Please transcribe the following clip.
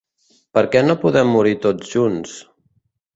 Perquè no podem morir tots junts?